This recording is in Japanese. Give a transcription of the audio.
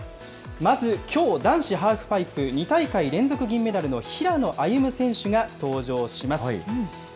まず、きょう男子ハーフパイプ２大会連続銀メダルの平野歩夢選手が登場します。